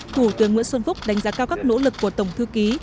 thủ tướng nguyễn xuân phúc đánh giá cao các nỗ lực của tổng thư ký